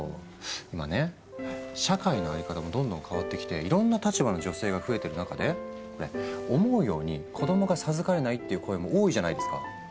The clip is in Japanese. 今ね社会の在り方もどんどん変わってきていろんな立場の女性が増えてる中で思うように子どもが授かれないっていう声も多いじゃないですか。